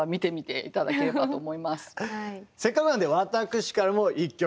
せっかくなんで私からも１曲。